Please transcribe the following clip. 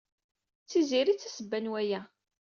D Tiziri ay d tasebba n waya.